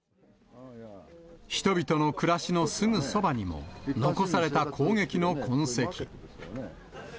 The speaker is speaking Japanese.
人々の暮らしのすぐそばにも、残された攻撃の痕跡。